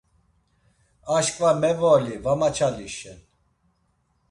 Aşkva mevoli, va maçalişen.